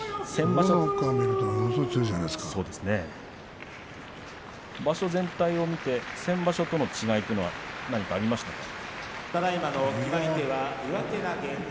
場所全体を見て先場所との違いというのは何かありましたか。